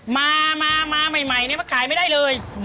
มาใหม่นี่มันขายไม่ได้เลย